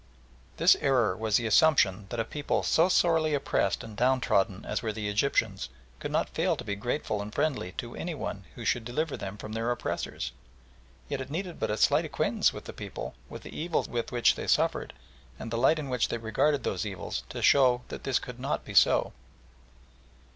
This error was the assumption that a people so sorely oppressed and downtrodden as were the Egyptians could not fail to be grateful and friendly to any one who should deliver them from their oppressors, yet it needed but a slight acquaintance with the people, with the evils from which they suffered, and the light in which they regarded those evils, to show that this could not be so.